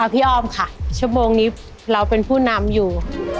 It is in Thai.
พี่อ้อมค่ะชั่วโมงนี้เราเป็นผู้นำอยู่